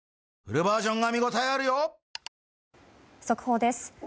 速報です。